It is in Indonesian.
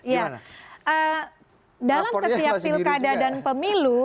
ya dalam setiap pilkada dan pemilu